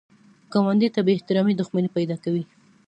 ګاونډي ته بې احترامي دښمني پیدا کوي